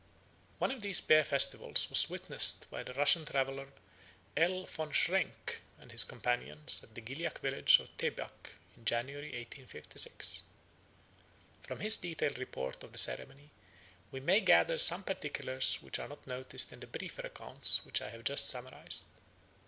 One of these bear festivals was witnessed by the Russian traveller L. von Schrenck and his companions at the Gilyak village of Tebach in January 1856. From his detailed report of the ceremony we may gather some particulars which are not noticed in the briefer accounts which I have just summarised.